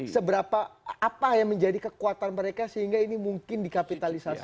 seberapa apa yang menjadi kekuatan mereka sehingga ini mungkin dikapitalisasi